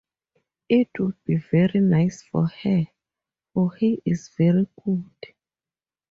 It would be very nice for her, for he is very good.